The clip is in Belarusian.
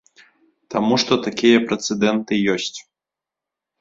Таму што такія прэцэдэнты ёсць.